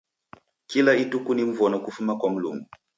Kila ituku ni mvono kufuma kwa Mlungu.